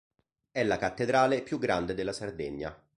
È la cattedrale più grande della Sardegna.